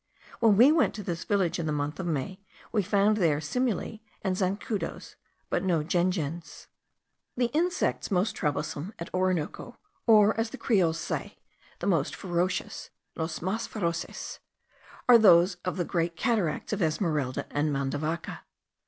When we went to this village in the month of May, we found there cimuliae and zancudos, but no jejens. The insects most troublesome at Orinoco, or as the Creoles say, the most ferocious (los mas feroces), are those of the great cataracts of Esmeralda and Mandavaca.